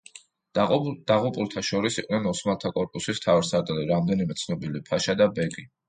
დაღუპულთა შორის იყვნენ ოსმალთა კორპუსის მთავარსარდალი, რამდენიმე ცნობილი ფაშა და ბეგი.